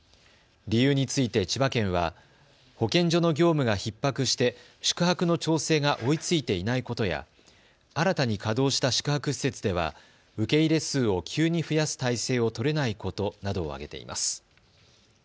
理由について千葉県は保健所の業務がひっ迫して宿泊の調整が追いついていないことや新たに稼働した宿泊施設では受け入れ数を急に増やす態勢を取れないことなどを挙げています。